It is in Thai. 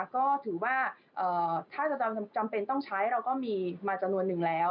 ก็ถือว่าถ้าจะจำเป็นต้องใช้เราก็มีมาจำนวนนึงแล้ว